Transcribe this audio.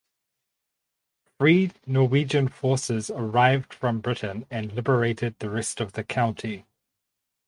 Free Norwegian forces arrived from Britain and liberated the rest of the county.